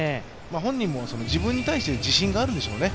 本人も自分に対して自信があるんでしょうね。